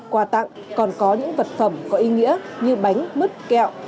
quà tặng còn có những vật phẩm có ý nghĩa như bánh mứt kẹo